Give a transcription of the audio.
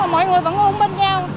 mọi người vẫn ưu ứng bên nhau